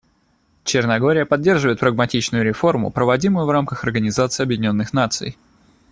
Черногория поддерживает прагматичную реформу, проводимую в рамках Организации Объединенных Наций.